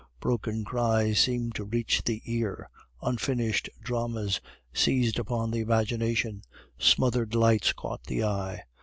Broken cries seemed to reach the ear, unfinished dramas seized upon the imagination, smothered lights caught the eye.